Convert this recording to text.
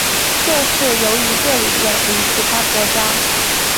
这是由于这里远离其他国家。